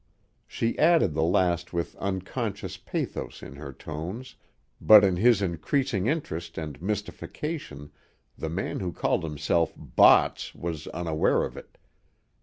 She added the last with unconscious pathos in her tones, but in his increasing interest and mystification the man who called himself "Botts" was unaware of it.